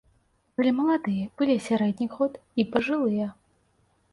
Былі маладыя, былі і сярэдніх год, і пажылыя.